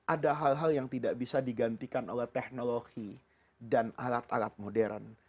ada hal hal yang tidak bisa digantikan oleh teknologi dan alat alat modern